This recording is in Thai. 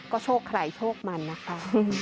ก็โชคใครโชคมันนะคะ